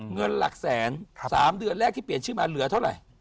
เงินหลักแสน๓เดือนแรกที่เปลี่ยนชื่อมาเหลือเท่าไหร่